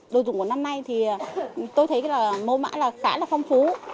đồ dùng của năm nay thì tôi thấy là mô mã khá là phong phú